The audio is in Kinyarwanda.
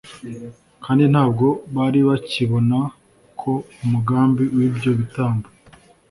kandi ntabwo bari bakibona ko umugambi w’ibyo bitambo